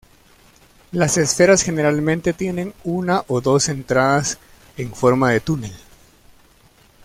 Las esferas generalmente tienen una o dos entradas en forma de túnel.